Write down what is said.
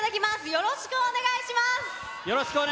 よろしくお願いします。